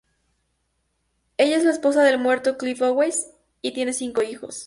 Ella es la esposa del muerto Cliff Owens y tienen cincos hijos.